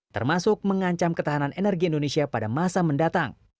termasuk mengancam ketahanan energi indonesia pada masa mendatang